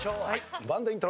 バンドイントロ。